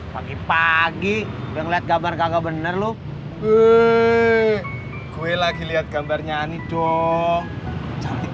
pagi pagi udah ngeliat gambar kagak bener lu gue lagi lihat gambarnya nih cowok cantik